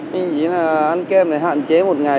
mình nghĩ là ăn kem hạn chế một ngày